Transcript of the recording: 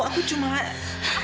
satu hari juga gua ini muncul halo